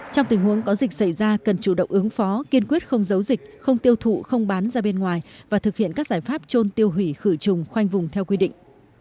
trong tình huống có dịch xảy ra cần chủ động ứng phó kiên quyết không giấu dịch không tiêu thụ không bán ra bên ngoài và thực hiện các giải pháp trôn tiêu hủy khử trùng khoanh vùng theo quy định